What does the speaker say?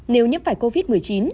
nếu như phải covid một mươi chín